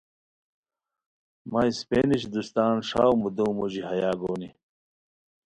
مہ سپینش دوستان ݰاؤ مودو موژی ہیا گونی